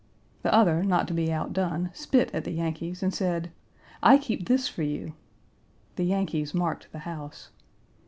The other, not to be outdone, spit at the Yankees, and said, "I keep this for you." The Yankees marked the house.